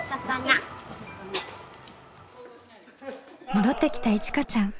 戻ってきたいちかちゃん。